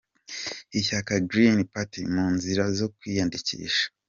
Ishyaka Greni pati mu nzira zo kwiyandikisha